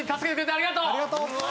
ありがとう。